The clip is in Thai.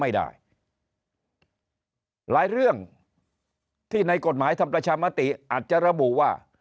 ไม่ได้หลายเรื่องที่ในกฎหมายทำประชามติอาจจะระบุว่า